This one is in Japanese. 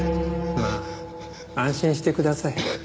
まあ安心してください。